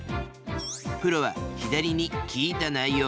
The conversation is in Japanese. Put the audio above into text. プロは左に「聞いた内容」。